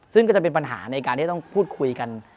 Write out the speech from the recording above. ซึ่งก็จะเป็นปัญหาในการที่ต้องพูดคุยกัน